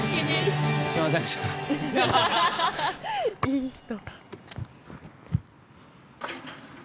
いい人。